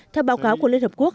theo báo cáo của liên hợp quốc